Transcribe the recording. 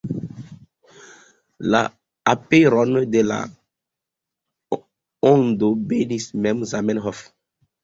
La aperon de La Ondo benis mem Zamenhof.